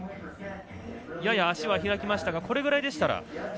やや足は開きましたがこれぐらいでしたら。